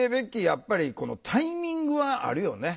やっぱりこのタイミングはあるよね。